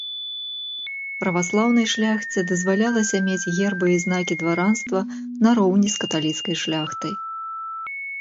Праваслаўнай шляхце дазвалялася мець гербы і знакі дваранства нароўні з каталіцкай шляхтай.